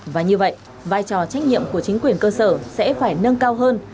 và như vậy vai trò trách nhiệm của chính quyền cơ sở sẽ phải nâng cao hơn